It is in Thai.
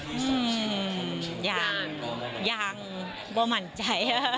อื้มหย่างหย่างบ่มั่นใจ